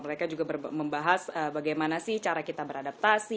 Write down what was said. mereka juga membahas bagaimana sih cara kita beradaptasi